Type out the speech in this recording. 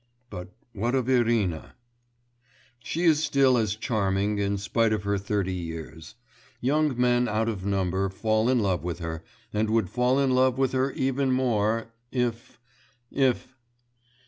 But what of Irina? She is still as charming, in spite of her thirty years; young men out of number fall in love with her, and would fall in love with her even more, if ... if....